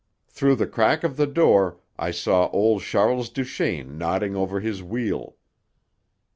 Through the crack of the door I saw old Charles Duchaine nodding over his wheel.